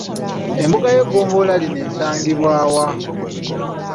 Embuga y'eggomolola lino esangibwa wa?